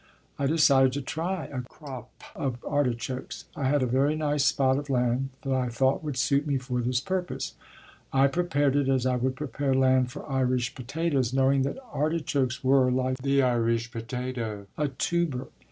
I decided to try a crop of artichokes. I had a very nice spot of land that I thought would suit me for this purpose. I prepared it as I would prepare land for Irish potatoes, knowing that artichokes were, like the Irish potato, a tuber.